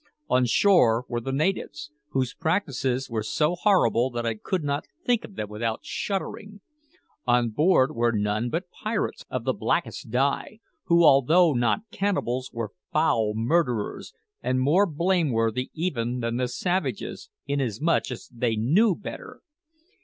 On shore were the natives, whose practices were so horrible that I could not think of them without shuddering. On board were none but pirates of the blackest dye, who, although not cannibals, were foul murderers, and more blameworthy even than the savages, inasmuch as they knew better.